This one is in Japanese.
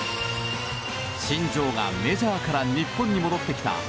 新庄がメジャーから日本に戻ってきた